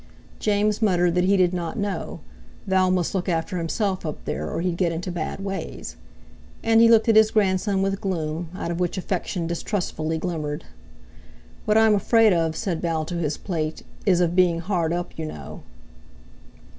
James muttered that he did not know—Val must look after himself up there, or he'd get into bad ways. And he looked at his grandson with gloom, out of which affection distrustfully glimmered. "What I'm afraid of," said Val to his plate, "is of being hard up, you know."